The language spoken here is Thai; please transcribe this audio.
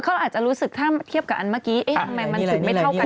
เขาอาจจะรู้สึกถ้าเทียบกับอันเมื่อกี้เอ๊ะทำไมมันถึงไม่เท่ากัน